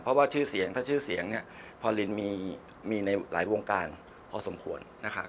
เพราะว่าชื่อเสียงถ้าชื่อเสียงพอลินมีในหลายวงการพอสมควร